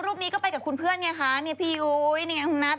รูปนี้ก็ไปกับคุณเพื่อนไงคะนี่พี่อุ๊ยนี่ไงคุณนัท